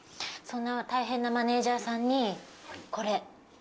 そんな大変なマネージャーさんにこれ。